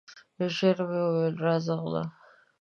ژر مي وویل ! راځغله